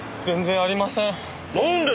全然ありません。